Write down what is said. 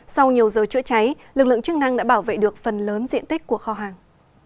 sau nhiều giờ chữa cháy lực lượng chức năng đã bảo vệ được phần lớn diện tích của kho hàng